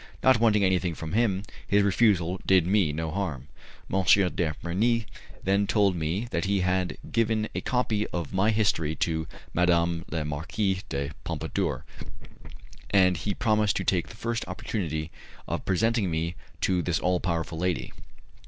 Not wanting anything from him his refusal did me no harm. M. de Bernis then told me that he had given a copy of my history to Madame la Marquise de Pompadour, and he promised to take the first opportunity of presenting me to this all powerful lady.